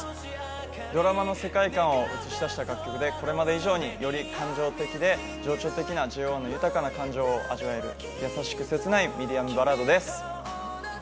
ドラマの世界観を映し出した楽曲で、これまで以上に、より感情的で情緒的なＪＯ１の豊かな感情を味わえる優しく切ないミディアムバラードです。